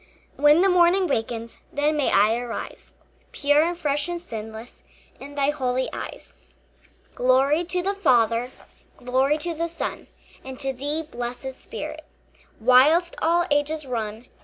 When the morning wakens, Then may I arise Pure and fresh and sinless In thy holy eyes. Glory to the Father, Glory to the Son, And to thee, blessed Spirit, Whilst all ages run.